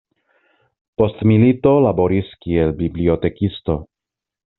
Post milito laboris kiel bibliotekisto.